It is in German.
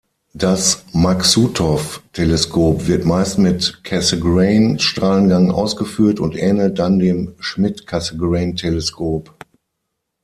Das Maksutov-Teleskop wird meist mit Cassegrain-Strahlengang ausgeführt und ähnelt dann dem Schmidt-Cassegrain-Teleskop.